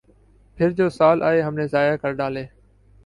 پھر جو سال آئے ہم نے ضائع کر ڈالے۔